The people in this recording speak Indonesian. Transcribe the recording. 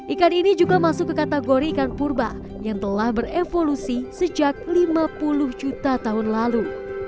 ikan ini juga masuk ke kategori ikan purba yang telah berevolusi sejak lima puluh juta tahun lalu